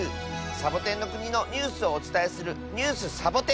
サボテンのくにのニュースをおつたえする「ニュース・サボ１０」。